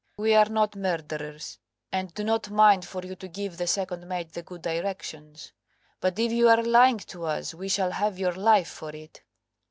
"We are not murderers, and do not mind for you to give the second mate the good directions. But if you are lying to us we shall have your life for it."